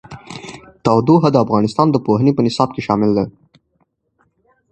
تودوخه د افغانستان د پوهنې په نصاب کې شامل دي.